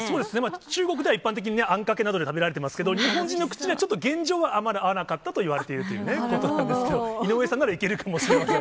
中国では一般的にあんかけなどで食べられてますけども、日本人の口にはちょっと現状あんまり合わなかったということなんですけど、井上さんならいけるかもしれません。